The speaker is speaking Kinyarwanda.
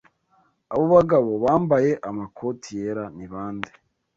Abo bagabo bambaye amakoti yera ni bande?